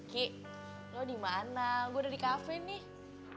ki lo dimana gue udah di cafe nih